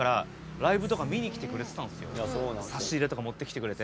差し入れとか持ってきてくれて。